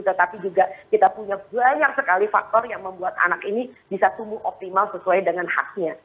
tetapi juga kita punya banyak sekali faktor yang membuat anak ini bisa tumbuh optimal sesuai dengan haknya